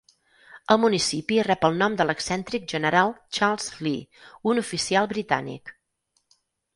El municipi rep el nom de l'excèntric General Charles Lee, un oficial britànic.